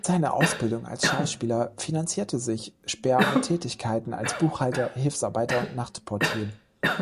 Seine Ausbildung als Schauspieler finanzierte sich Sperr mit Tätigkeiten als Buchhalter, Hilfsarbeiter und Nachtportier.